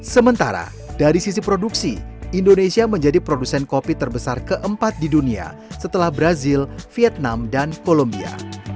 sementara dari sisi produksi indonesia menjadi produsen kopi terbesar keempat di dunia setelah brazil vietnam dan kolombia